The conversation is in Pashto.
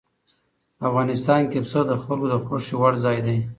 افغانستان کې پسه د خلکو د خوښې وړ ځای دی.